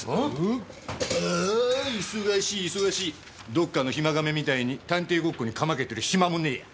どっかのヒマ亀みたいに探偵ごっこにかまけてるヒマもねぇや。